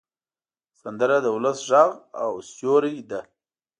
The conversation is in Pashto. سندره د ولس غږ او سیوری ده